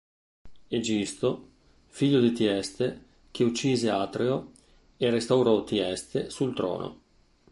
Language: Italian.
Egisto, figlio di Tieste che uccise Atreo e restaurò Tieste sul trono.